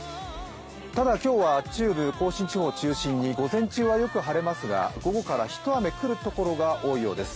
ただ今日は中部甲信地方を中心に午前はよく晴れますが午後から、ひと雨来るところが多いようです。